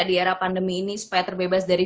di era pandemi ini supaya terbebas dari